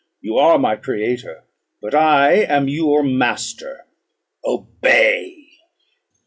You are my creator, but I am your master; obey!"